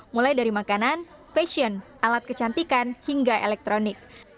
mulai dari makanan fashion alat kecantikan hingga elektronik